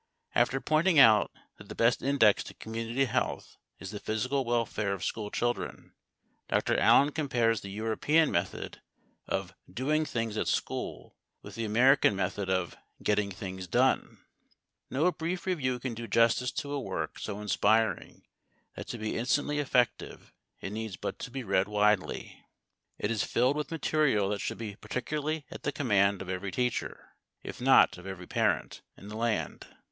After pointing out that the best index to community health is the physical welfare of school children, Dr. Allen compares the European method of doing things at school with the American method of getting things done. No brief review can do justice to a work so inspiring that to be instantly effective it needs but to be read widely. It is filled with material that should be particularly at the command of every teacher, if not of every parent, in the land.